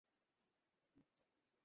একজন অফিসার আহত হয়েছেন।